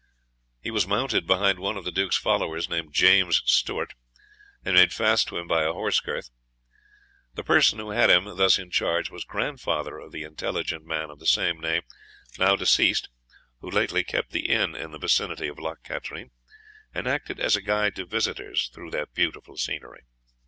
He was mounted behind one of the Duke's followers, named James Stewart, and made fast to him by a horse girth. The person who had him thus in charge was grandfather of the intelligent man of the same name, now deceased, who lately kept the inn in the vicinity of Loch Katrine, and acted as a guide to visitors through that beautiful scenery.